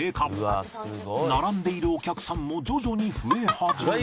並んでいるお客さんも徐々に増え始め